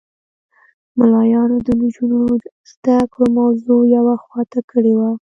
ملایانو د نجونو د زده کړو موضوع یوه خوا ته کړې وه.